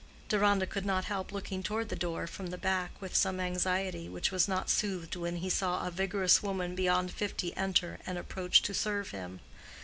Deronda could not help looking toward the door from the back with some anxiety, which was not soothed when he saw a vigorous woman beyond fifty enter and approach to serve him.